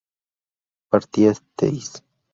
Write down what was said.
partisteis